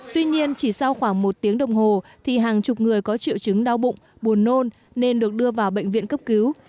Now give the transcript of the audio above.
tuy nhiên chỉ sau khoảng một tiếng đồng hồ thì hàng chục người có triệu chứng đau bụng buồn nôn nên được đưa vào bệnh viện cấp cứu